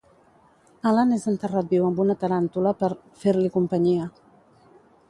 Alan és enterrat viu amb una taràntula per "fer-li companyia".